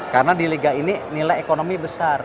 karena di liga ini nilai ekonomi besar